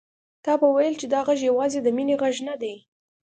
تا به ويل چې دا غږ يوازې د مينې غږ نه دی.